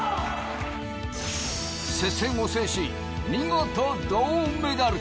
接戦を制し見事銅メダル。